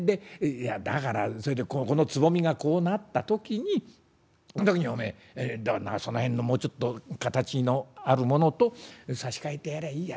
いやだからそれでこのつぼみがこうなった時にそん時におめえその辺のもうちょっと形のあるものと差し替えてやりゃあいいや。